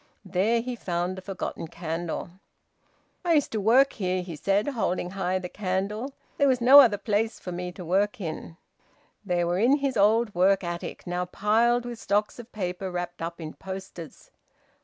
There he found a forgotten candle. "I used to work here," he said, holding high the candle. "There was no other place for me to work in." They were in his old work attic, now piled with stocks of paper wrapped up in posters.